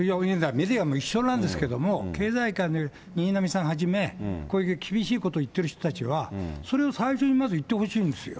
メディアも一緒なんですけど、経済界の新浪さんはじめ、こういう厳しいこと言ってる人たちは、それを最初にまず言ってほしいんですよ。